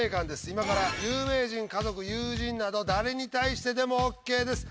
今から有名人家族友人など誰に対してでもＯＫです